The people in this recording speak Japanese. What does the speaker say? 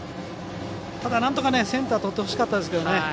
ただ、なんとかセンターとってほしかったですけどね。